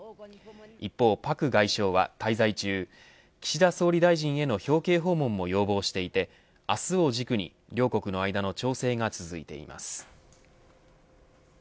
一方、朴外相は滞在中岸田総理大臣への表敬訪問も要望していて明日を軸に両国の間の調整が続いています。